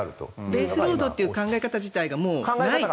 ベースロードという考え方自体がもうない。